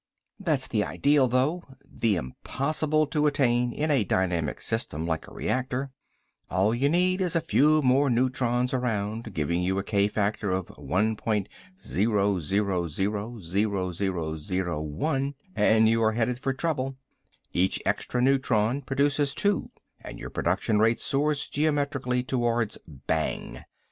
"That's the ideal, though, the impossible to attain in a dynamic system like a reactor. All you need is a few more neutrons around, giving you a k factor of 1.00000001 and you are headed for trouble. Each extra neutron produces two and your production rate soars geometrically towards bang.